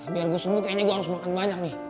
biar gue semut kayaknya gue harus makan banyak nih